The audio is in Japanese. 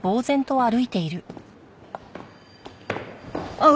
あっ。